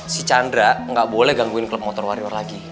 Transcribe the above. si chandra gak boleh gangguin klub motor warior lagi